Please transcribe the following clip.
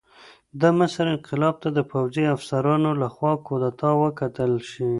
د مصر انقلاب ته د پوځي افسرانو لخوا کودتا وکتل شي.